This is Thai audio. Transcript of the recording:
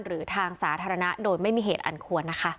หรือทางสาธารณะโดยไม่มีเหตุอันควรนะคะ